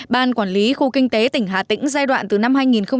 ban quản lý khu kinh tế tỉnh hà tĩnh giai đoạn từ năm hai nghìn tám hai nghìn một mươi